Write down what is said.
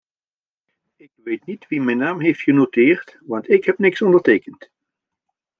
Ik weet niet wie mijn naam heeft genoteerd want ik heb niets ondertekend.